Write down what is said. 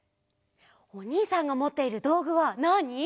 おにいさんがもっているどうぐはなに？